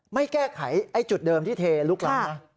ไม่แก้ไขจุดเดิมที่เทลุกล้ำนะ